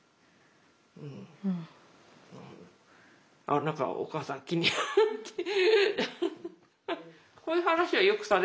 あっ何かお母さん気になって。